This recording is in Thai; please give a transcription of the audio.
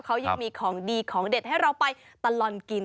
เขายังมีของดีของเด็ดให้เราไปตลอดกิน